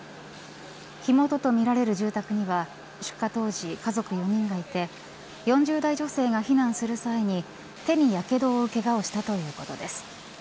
火元とみられる住宅には出火当時、家族４人がいて４０代女性が避難する際に手にやけどを負うけがをしたということです。